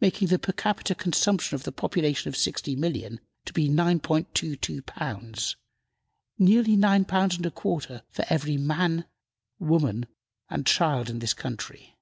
making the per capita consumption of the population of 60,000,000 to be 9.22 pounds, nearly nine pounds and a quarter for every man, woman and child in this country.